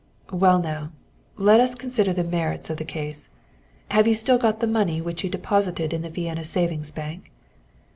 "Well, now, let us consider the merits of the case. Have you still got the money which you deposited in the Vienna savings bank?"